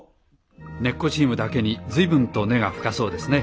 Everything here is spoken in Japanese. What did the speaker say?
根っこチームだけに随分と根が深そうですね。